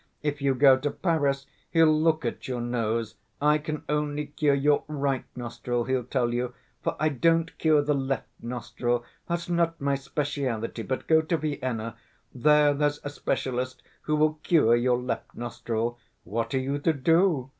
If you go to Paris, he'll look at your nose; I can only cure your right nostril, he'll tell you, for I don't cure the left nostril, that's not my speciality, but go to Vienna, there there's a specialist who will cure your left nostril. What are you to do?